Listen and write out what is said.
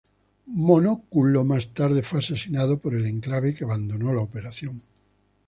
Monóculo más tarde fue asesinado por el Enclave que abandonó la operación.